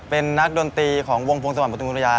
เป็นนักดนตรีของวงฟงสมันประธุมภงคา